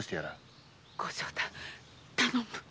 頼む。